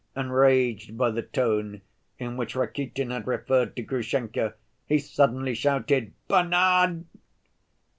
Enraged by the tone in which Rakitin had referred to Grushenka, he suddenly shouted "Bernard!"